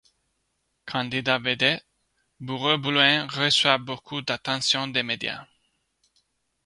Candidat-vedette, Bureau-Blouin reçoit beaucoup d'attention des médias.